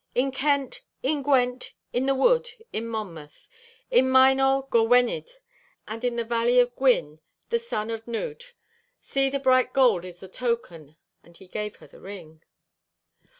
"In Kent, in Gwent, in the wood, in Monmouth, In Maenol, Gorwenydd; And in the valley of Gwyn, the son of Nudd; See, the bright gold is the token." And he gave her the ring.